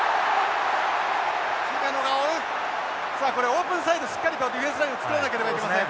オープンサイドしっかりとディフェンスラインを作らなければいけません。